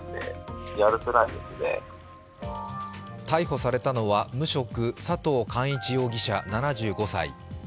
逮捕されたのは無職、佐藤貫一容疑者７５歳。